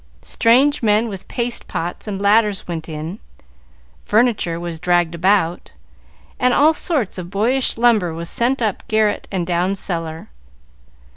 Strange men with paste pots and ladders went in, furniture was dragged about, and all sorts of boyish lumber was sent up garret and down cellar.